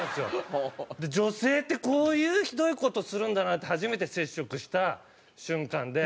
女性ってこういうひどい事するんだなって初めて接触した瞬間で。